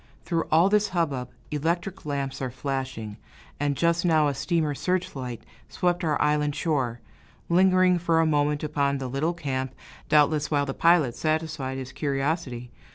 Through all this hubbub, electric lamps are flashing, and just now a steamer's search light swept our island shore, lingering for a moment upon the little camp, doubtless while the pilot satisfied his curiosity.